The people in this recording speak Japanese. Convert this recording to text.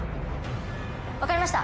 わかりました。